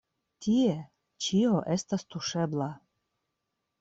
Tie ĉio estas tuŝebla.